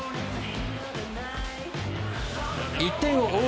１点を追う